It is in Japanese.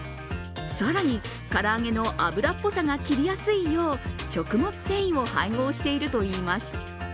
更に、唐揚げの油っぽさが切りやすいよう食物繊維を配合しているといいます。